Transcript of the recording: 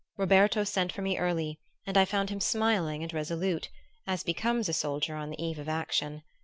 Roberto sent for me early, and I found him smiling and resolute, as becomes a soldier on the eve of action.